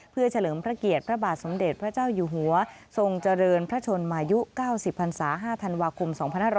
เพื่อเฉลิมพระเกียรติพระบาทสมเด็จพระเจ้าอยู่หัวทรงเจริญพระชนมายุ๙๐พันศา๕ธันวาคม๒๕๖๐